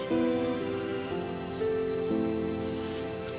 dia bisa merasakan waktu dia disayang